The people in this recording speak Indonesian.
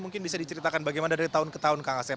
mungkin bisa diceritakan bagaimana dari tahun ke tahun kak asep